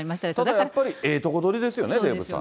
だからやっぱり、ええとこ取りですよね、デーブさん。